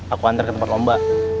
aku antar ke tempat lomba